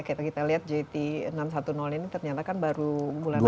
kita lihat jt enam ratus sepuluh ini ternyata kan baru bulan